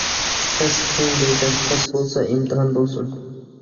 تەس، قىيىن دەيسەن، تەس بولسا ئىمتىھان بولسۇن.